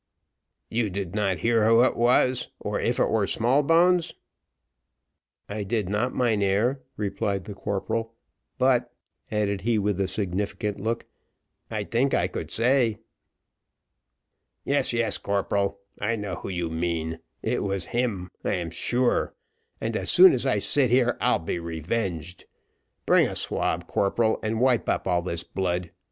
"You did not hear who it was, or if it were Smallbones?" "I did not, mynheer," replied the corporal; "but," added he with a significant look, "I tink I could say." "Yes, yes, corporal, I know who you mean. It was him I am sure and as sure as I sit here I'll be revenged. Bring a swab, corporal, and wipe up all this blood.